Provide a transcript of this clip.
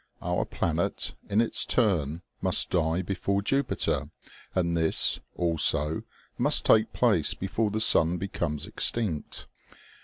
Our planet, in its turn, must die before Jupi ter, and this, also, must take place before the sun becomes extinct.